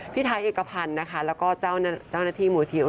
พิทัยเอกพันธ์นะคะแล้วก็เจ้าหน้าที่มวลีทีแสงสุรีรุ่งโรธในวัย๖๘ปี